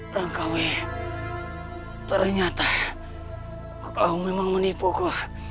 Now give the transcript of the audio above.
rangkawi ternyata kau memang menipuku